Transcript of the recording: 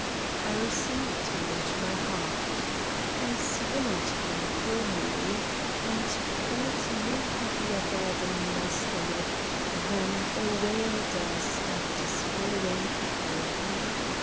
I received him into my heart. I swallowed him calmly and felt no heavier burden in my stomach than a whale does after swallowing a herring.